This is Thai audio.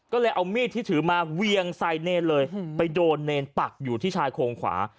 ก็เลยเอามีดที่ถือมาเวียงใส่เนรเลยไปโดนเนรปักอยู่ที่ชายโครงขวา